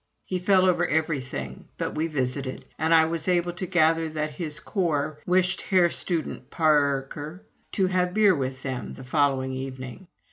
He fell over everything. But we visited, and I was able to gather that his corps wished Herr Student Par r r ker to have beer with them the following evening.